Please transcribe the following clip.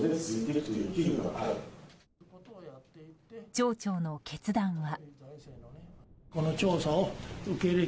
町長の決断は。